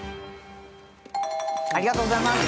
ありがとうございます。